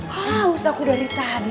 haus aku dari tadi